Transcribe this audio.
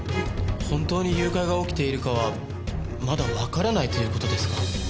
本当に誘拐が起きているかはまだわからないという事ですか。